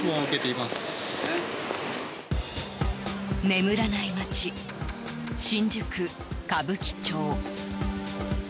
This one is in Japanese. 眠らない街、新宿・歌舞伎町。